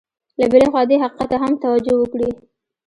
له بلې خوا دې حقیقت ته هم توجه وکړي.